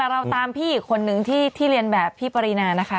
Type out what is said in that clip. เราตามพี่อีกคนนึงที่เรียนแบบพี่ปรินานะคะ